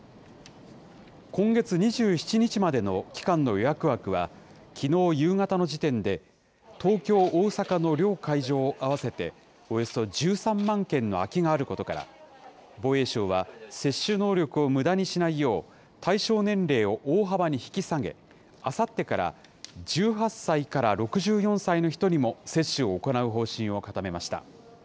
今月２７日までの期間の予約枠は、きのう夕方の時点で東京、大阪の両会場を合わせておよそ１３万件の空きがあることから、防衛省は接種能力をむだにしないよう、対象年齢を大幅に引き下げ、あさってから１８歳から６４歳の人にも接種を行う方針を固めました。